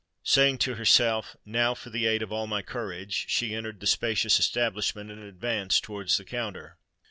Saying to herself,—"Now for the aid of all my courage!"—she entered the spacious establishment, and advanced towards the counter.